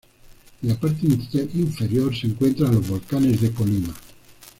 En la parte inferior se encuentran los volcanes de Colima.